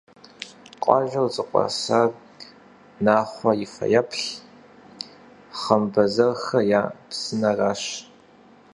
Къуажэр зыкъуэсар Нахъуэ и фэеплъ «Хъымбэзэрхэ я псынэращ».